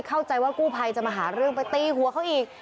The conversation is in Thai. เข้าใจว่ากู้ภัยจะมาหาเรื่องไปตีหัวเขาอีก